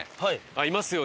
いますよね！